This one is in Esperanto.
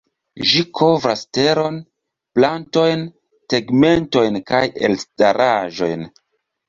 Ĝi kovras teron, plantojn, tegmentojn kaj elstaraĵojn.